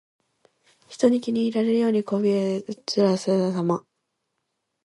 人に気に入られるようにこびへつらうさま。